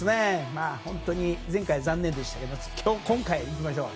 前回残念でしたけど今回はいきましょう。